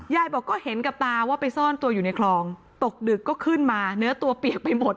ยายบอกก็เห็นกับตาว่าไปซ่อนตัวอยู่ในคลองตกดึกก็ขึ้นมาเนื้อตัวเปียกไปหมด